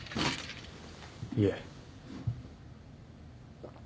いえ。